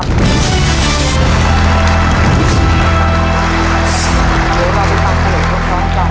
ตัวเลือกที่หนึ่ง๔กลีบค่ะ